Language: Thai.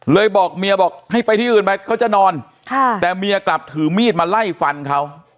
บอกเมียบอกให้ไปที่อื่นไปเขาจะนอนค่ะแต่เมียกลับถือมีดมาไล่ฟันเขา